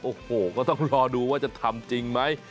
โอ้โหก็ต้องรอดูว่าจะทำจริงไหม